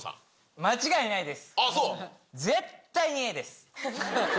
間違いないです。